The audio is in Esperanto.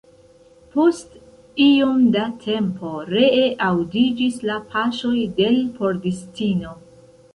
Post iom da tempo ree aŭdiĝis la paŝoj de l' pordistino.